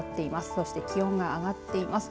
そして気温が上がっています。